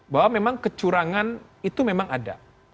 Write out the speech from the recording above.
bahwa memang kecurangan itu memang ada